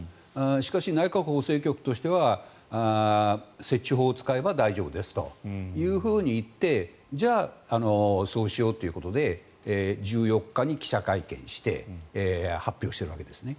しかし、内閣法制局としては設置法を使えば大丈夫ですと言ってじゃあ、そうしようということで１４日に記者会見をして発表しているわけですね。